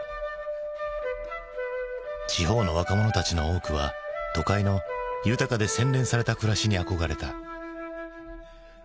地方の若者たちの多くは都会の豊かで洗練された暮らしに憧れた。